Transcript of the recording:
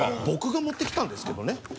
僕が持ってきたんですけどね。